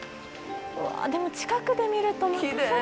うわでも近くで見るとまた更に。